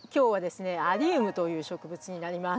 「アリウム」という植物になります。